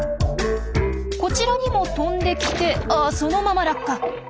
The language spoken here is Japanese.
こちらにも飛んできてあそのまま落下。